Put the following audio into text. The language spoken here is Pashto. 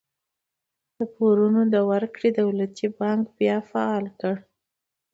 د پورونو د ورکړې دولتي بانک بیا فعال کړ.